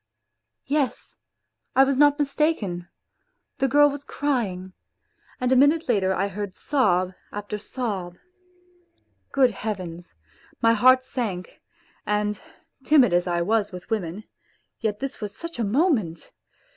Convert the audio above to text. Yes ! I was not mistaken, the girl was crying, and a minute later I heard sob after sob. Good Heavens ! My heart sank. And timid as I was with women, yet this was such a moment